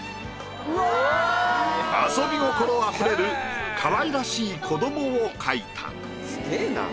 遊び心あふれる可愛らしい子どもを描いた。